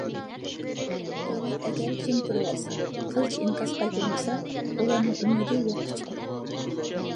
دۆلەت ئەگەر جىم تۇرۇۋالسا، قىلچە ئىنكاس قايتۇرمىسا، ئۇلارنىڭ ئۈمىدى يوققا چىقىدۇ.